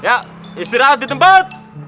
ya istirahat di tempat